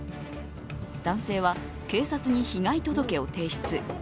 男性は、警察に被害届を提出。